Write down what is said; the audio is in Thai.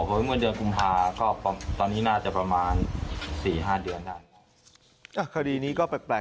แล้วก็เทาะกี่เดือนนี้